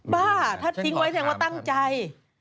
ป้าถ้าทิ้งไว้แสดงว่าตั้งใจ